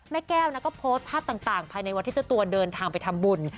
แม่แก้วก็โพสต์ภาพต่างภายในวันที่เจ้าตัวเดินทางไปทำบุญ